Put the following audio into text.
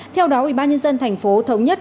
theo đó ubnd tp thống nhất